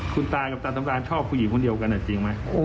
คุณตากับตาสำรานชอบผู้หญิงคนเดียวกันจริงไหม